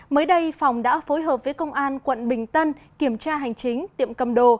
mới đây phòng đã phối hợp với công an quận bình tân kiểm tra hành chính tiệm cầm đồ